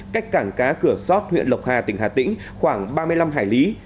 cách cảng cá cửa sót huyện lộc hà tỉnh hà tĩnh khoảng ba mươi năm hải lý